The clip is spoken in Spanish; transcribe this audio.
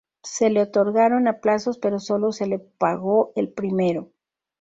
Se le otorgaron a plazos, pero solo se le pagó el primero.